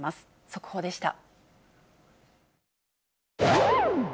速報でした。